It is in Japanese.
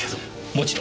もちろん。